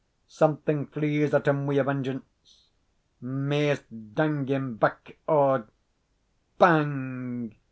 Something flees at him wi' a vengeance, maist dang him back ower bang!